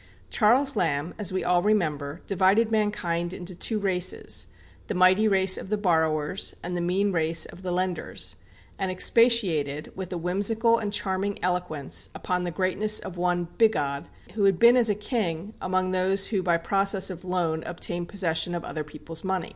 Charles Lamb, as we all remember, divided mankind into two races, the mighty race of the borrowers, and the mean race of the lenders; and expatiated, with a whimsical and charming eloquence, upon the greatness of one Bigod, who had been as a king among those who by process of loan obtain possession of other people's money.